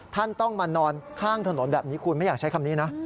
ท่านต้องมานอนข้างถนนแบบนี้คุณไม่อยากใช้คำนี้นะ